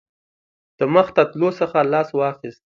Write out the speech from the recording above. د مخته تللو څخه لاس واخیست.